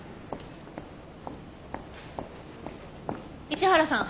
市原さん。